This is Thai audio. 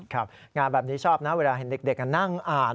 ครับงานแบบนี้ชอบนะเวลาเห็นเด็กนั่งอ่าน